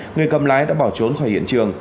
người cầm lái đã bỏ trốn khỏi hiện trường